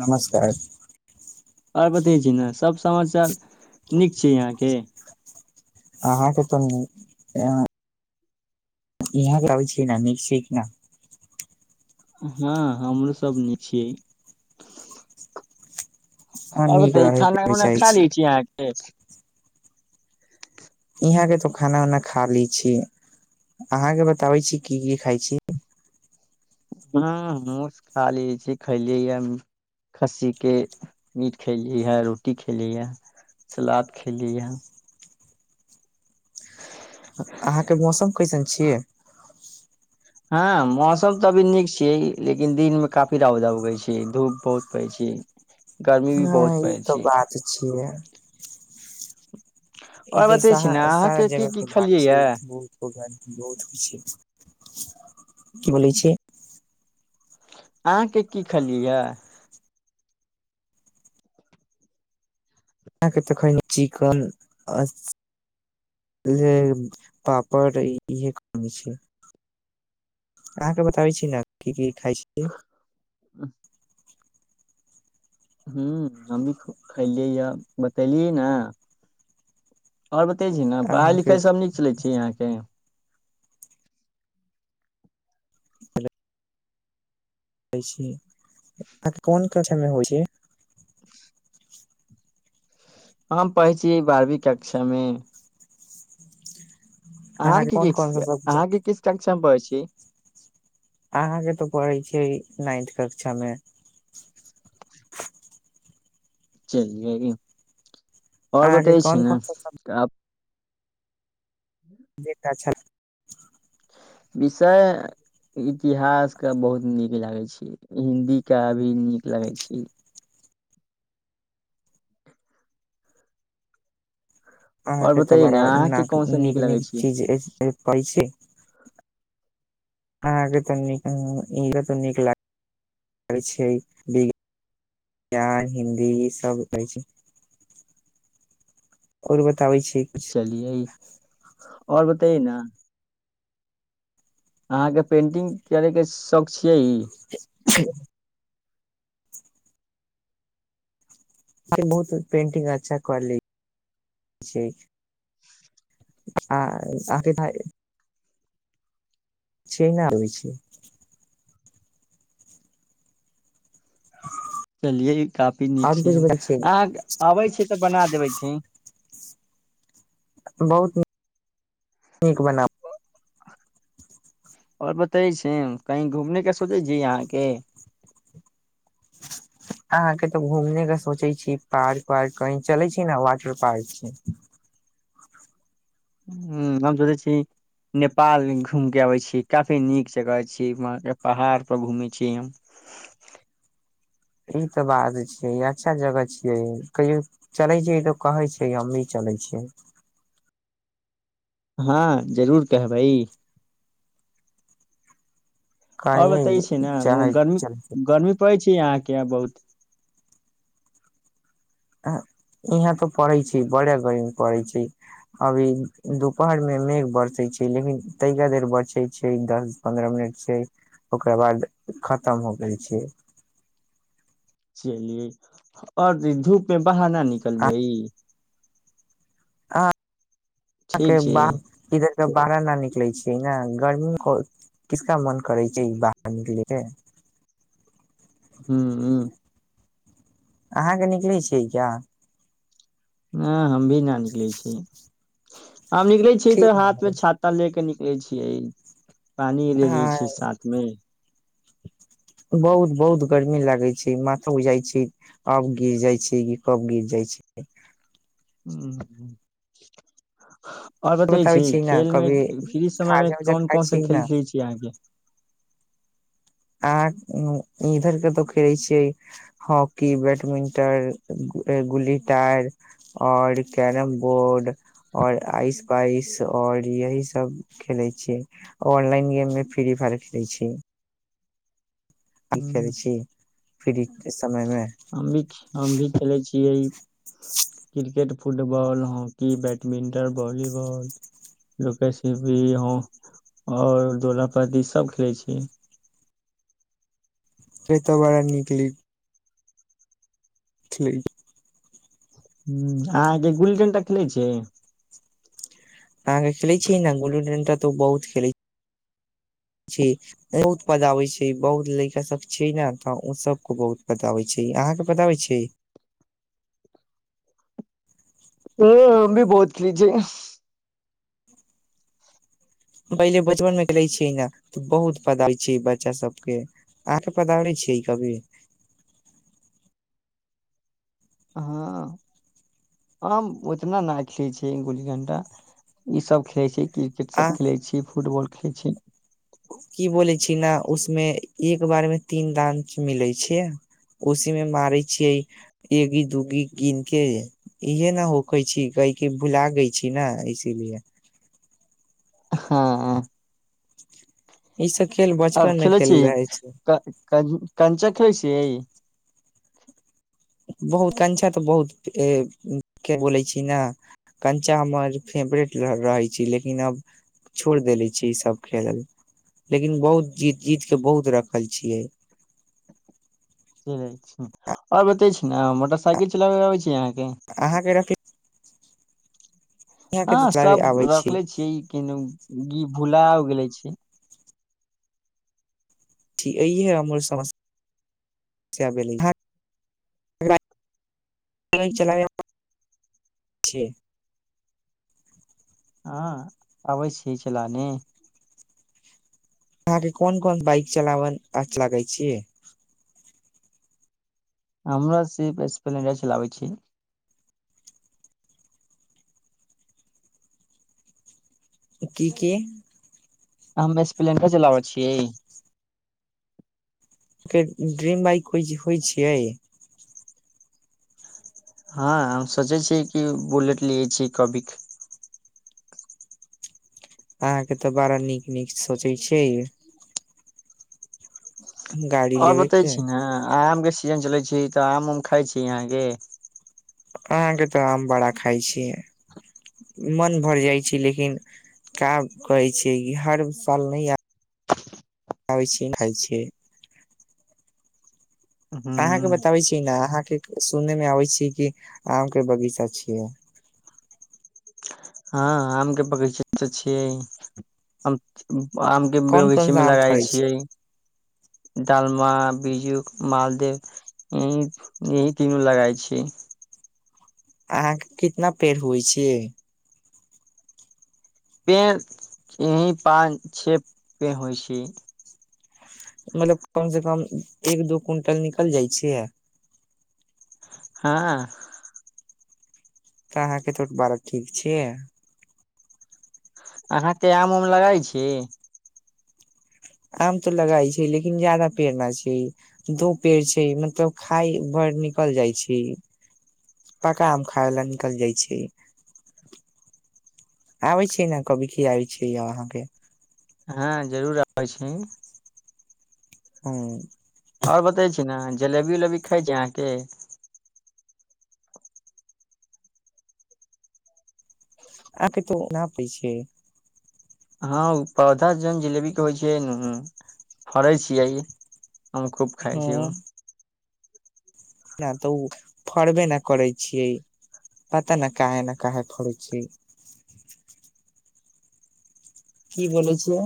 नमंस्कार आब दिजेना सब ने सभ समाचार नीक छै अहाँके आहाँ क त ने ऊँ यहाँ बैर ऐल छीयै न मिक सिक न हँ हमरो सब नि छियै ने [inaudible] अब नीक दही रहे खाना के उना चाहे खा लै छी अहाँके यहाँ के तो खाना उना खा ली छी अहाँके बताबै छी की की खाय छी न हमस खा ल छी खलियै खस्सी के मीट खलियै हे रोटी खलियै सलाद खलीयै हे [unintelligible] अहाँ के मौसम कैसन छियै हँ मौसम तऽ अभी नीक छियै लेकिन दिन मे काफी रउदा उगै छै धूप बहुत पड़ै छै गर्मी भी हाँ बहुत ई पड़ै तऽ छै बात छियै ई और त बतै छी साहा ने सारा अहाँके की की जगत बात खेलियै या छै बहुत पुरान बहुत की बोलै छै अहाँके कि खेलियै एय अहाँ के तऽ खयनी चिकन आ इहे पापड़ इहे करने छी अहाँके बताबै छी ने कि की खाय छै ह्म हम भी ख खयलियै यऽ बतेलियै ने आओर बतै छी ने पढ़ाइ अहाँके लिखाइ बताबै सभ नीक चलै छै यहाँके आ कोन कछामे होइ छै [unintelligible] हम पढ़ै छियै बारहवीं कक्षामे अहाँ अहाँके की कोन कोन किस सा अहाँ सब्जेक्ट क किस कंक्षा मे पढै छीयै की अहाँके तऽ पढ़ै छियै नाइन्थ कक्षामे चलियरि और अहाँके बतै कोन छी ने कोन सा आब देखके अछा विषय इतिहासका बहुत नीक लागै छै हिंदीका भी नीक लागै छीयै आओर अहाँके तऽ बतैयै ने बड़ा अहाँके नाक कोन सा नीक लगै नीक छै चीज पै छै अहाँके तऽ नीक ई तऽ नीक लागै छै विज्ञान हिन्दी ई सभछै आओर बताबै छी कुछ चलियै आओर बतैयै न अहाँ के पेंटिंग करे के शौक छै के बहुत पेन्ंटिंग अच्छा कर लै छियै छैना होइ छै चलियै काफी नीक आओर कुछ छैयो बता छै अहाँक आबै छी त बना देबै छी बहुत नीक बनाबै आओर बतै छी कहीं घुमने के सोचै छी अहाँके अहाँ के तऽ घूमने के सोचै छी पार्क वार्क कही चलै छी ने वाटर पार्क छै ह्म हम सोचै छी नेपाल घूम के आबै छी काफी नीक जगह छी व पहाड़ पर घूमै छी हम ई तऽ बात छियै अच्छा जगह छियै कहियो चलै छै ई तऽ कहै छै हमी चलै छियै हँ जरूर कहबई और कहिये बतै छै ने ओ चाहे गर्मी चल गर्मी पड़ै छै अहाँके यहाँ बहुत इहाँ तऽ पड़ै छै बड़ा गर्मी पड़ैय छै अभी दुपहरमे मेघ बरसै छै लेकिन तहिया देर बरसै छै दस पन्द्रह मिनट छै ओकरा बाद खतम हो गेल छै चलियै और धूप मे बाहर न निकलबै ठीक अहाँ छै बाढ़ इधर का बाहर न निकलै छियै ने गर्मी मे किसका मन करै छै ई बाहर निकलेके ह्म ह्म अहाँके निकलै छियै क्या ह हम भी न निकलै छियै [unintelligible] आब निकले छियै तऽ ठीक हाथ मे छाता लेके निक के छियै पानि लेले ह छियै साथ मे बहुत बहुत गर्मी लागै छै माथा उ जाइ छै अब गिर जाइ छै कि कब गिर जाइ छै [unintelligible] आओर बतै बताबै छी ने खेल मे कभी फ्री समय मे खाजा उजा कोन खाइ छी कोनसे खेल ने खेलैत छी अहाँके अहाँ इधर कतहु खेलैत छियै हॉकी बैडमिंटन गुल्ली टयार आओर कैरम बोर्ड आओर आइस पाइस आओर यहीसभ खेलैत छियै ऑनलाइन गेममे फ्री फायर खेलैत छियै ह फ्री समय मे हम भी हम भी खेले छियै क्रिकेट फुटबॉल हॉकी बैडमिंटन वॉलीबॉली लुकाछुपी आओर दोलापती सब खेलै छियै से तऽ बड़ा निकली ठीक ह अहाँके गुल्ली डंटा खेलै छियै अहाँके खेलैत छै ने गुल्ली डंडा तऽ ओ बहुत खेलैय छै बहुत मजा आबैत छै बहुत लड़का सभ छै ने तऽ ओ सभके बहुत मजा आबैत छै अहाँके मजा आबैत छै ह हम भी बहुत खेलय छियै पहिले बचपन मे खेलय छियै न त बहुत पदाबै छियै बच्चा सबके अहाँके पदाबै छियै कभी हँ हम ओतना न खेलय छियै गुल्ली डंडा ई सब खेलय छियै क्रिकेट आ सब खेले छी फुटबॉल के छी की बोलै छी ने उसमे एक बार मे तीन दान मिलै छै उसीमे मारै छियै एकगी दूगी गिन के इहे ने होखै छी गैके भुला गई छी न इसीलिए हँ ई सब खेल आओर बचपन मे खेलय खेल छियै रहे छै कंचा खेलय छियै बहुत कंचा तऽ बहुत के बोलै छी ने कंचा हमर फेवरेट रहै छै लेकिन आब छोड़ि देले छी ई सभ खेलल लेकिन बहुत जीत जीत कऽ बहुत रखल छियै आओर बताबे छी ने मोटरसाइकिल चलाबे आबै छी अहाँ अहाँके रखै हँ चलाबे सब आबै छी रखले छियै कि गी भूला हो गेले छै ठ य ह अमल सम [unintelligible] हँ अबै छी चलाने अहाँके कोन कोन बाइक चलावन अआछ लागै छीयै हमरा सिर्फ स्प्लेंडर चलाबै छी की की हम स्प्लेंडर चलाबै छियै के ड्रीम बाइक होइ होइ छियै हँ हम सोचै छियै कि बुलेट लिय छीयै कभिके अहाँके तऽ बड़ा नीक नीक सोचै छियै गाड़ी आओर लेबे बतै के छी ने आम के सीजन चलै छै तऽ आम उम खाइ छी यहाँके अहाँके तऽ आम बड़ा खाय छियै मन भर जाइ छि लेकिन का कहै छियै कि हर साल नहि आ आबै खाय छीयै अहाँके ह बताबै छी ने अहाँके सुननेमे आबै छी कि आम के बगीचा छियै हँ आम के बगिचा त छियै आम के कोन बगीचे कोन सा मे आम लगाई फड़ै छै छियै डालमा बीजु मालदेव ई ई तीनू लगाय छी अहाँके कितना पेड़ होइ छियै पेड़ यही पाँच छे पेड़ होइ छै मतलब कम से कम एक दू क्विंटल निकल जाइ छियै हँ तऽ अहाँके तो बड़ा ठीक छियै अहाँके आम उम लगै छीयै आम तऽ लगाइ छै लेकिन ज्यादा पेड़ ना छि दू पेड़ छै मतलब खाय भरि निकल जाइ छि पक्का आम खायला निकल जाइ छै आबै छै ने कभी खिआइ आबै छै अहाँके हँ जरूर आबै छी हँ आओर बतै छी ने जलेबी उलेबी खाय छी अहाँके आ के त न पै छै हँ ओ पौधा जौन जिलेबी के होइ छै फड़ै छियै हम खूब खाय छी ओ नहि तऽ ओ फड़बे नहि करै छियै पता ने काहे ने काहे फड़ै छियै की बोले छियै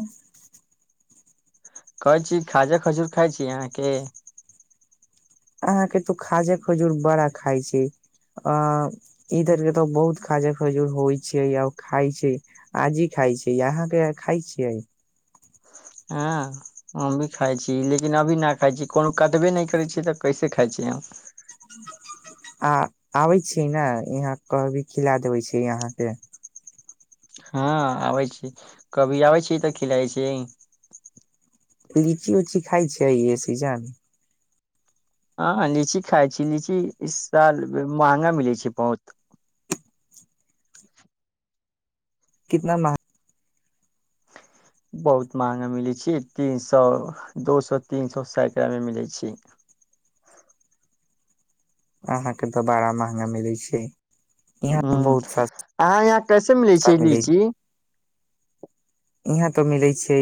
कहै छी खाजा खजूर खाय छी अहाँके अहाँके तो खाजा खजूर बड़ा खाय छै अ इधर तऽ बहुत खाजा खजूर होइ छै आ खाय छै आजी खाय छै अहाँके खाय छियै हँ हम भी खाय छी लेकिन अभी ना खाय छी कोनो कटबे नहि करै छिय तऽ कैसे खाय छियै तऽ हम कैसे खाय छियै आ आबै छी ने यहाँ क भी खिला देबै छी यहाँके हँ आबै छी कभी आबै छी तऽ खिलाइ छी लीची ऊची खाय छि ए सीजन हँ लीची खाइ छी लीची इस साल महगा मिलै छै बहुत कितना मह बहुत महंगा मिलै छै तीन सौ दो सौ तीन सौ सैकड़ा मे मिलै छै अहाँके तऽ बड़ा महंगा मिलै छै ह यहाँ बहुत सस्ता अहाँ यहाँ कैसे मिलै छियै लीची इहां तो मिलै छै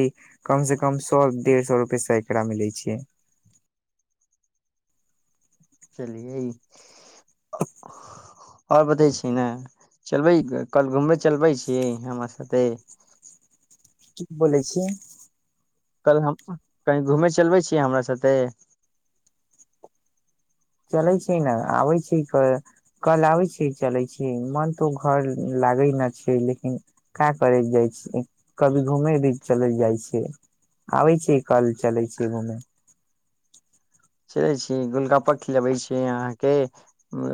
कम से कम सौ डेढ़ सौ रूपे सैकरा मिलै छै चलियै ओर बतै छी ने चलबै कल घूमे चलबै छि हमरा साथे की बोले छिये कल हम कही घूमय चलबै छियै हमरा साथे चलै छी न आबै छी क कल आबै छी चलै छै मन तऽ घर लागै न छै लेकिन का करैत जाइ छी कभी घूमे भी चलैत जाइ छै आबै छी कल चलै छीये घूमे चलै छी गोलगप्पा खिलबै छी अहाँके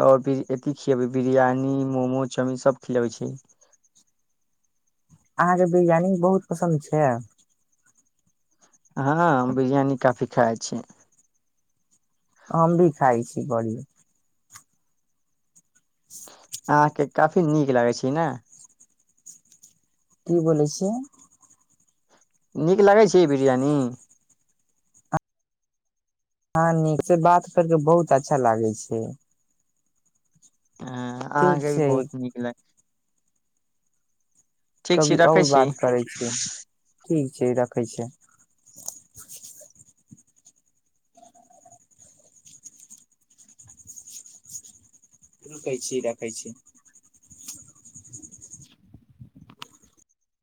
ओर फिर अथी खिलबै बिरियानी मोमोज चाउमीन सभ खिलबै छी अहाँके बिरयानी बहुत पसन्द छै हँ बिरियानी काफी खाइ छी हम भी खाइ छी बड़ि आहा के काफी नीक लागै छि ना की बोले छिये नीक लगे छि बिरयानी हँ नीक से बात कर कऽ बहुत अच्छा लागै छै ह ठीक अहाँके भी छै बहुत नीक लागै छी कभी रखै और छी बात करै छीयै ठीक छी रखै छियै रखै छी रखै छी